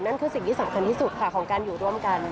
นั่นคือสิ่งที่สำคัญที่สุดค่ะของการอยู่ร่วมกัน